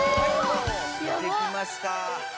出てきました。